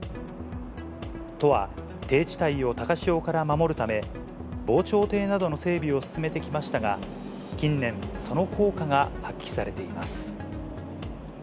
都は、低地帯を高潮から守るため、防潮堤などの整備を進めてきましたが、近年、その効果が発揮されています。